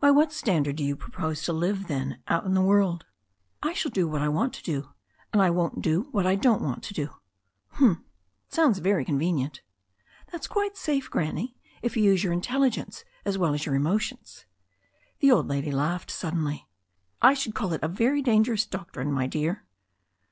"By what standard do you propose to live, then, out in the world?" "I shall do what I want to do, and I won't do what I don't want to do." "Hm! It sounds very convenient" "That's quite safe. Granny, if you use your intelligence as well as your emotions." The old lady laughed suddenly. 1 should call it a very dangerous doctrine, my dear."